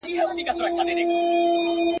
بس که نیکه دا د جنګونو کیسې!!